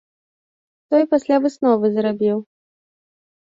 Той пасля высновы зрабіў.